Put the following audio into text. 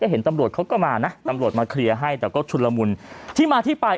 เห็นตำรวจเขาก็มานะตำรวจมาเคลียร์ให้แต่ก็ชุนละมุนที่มาที่ไป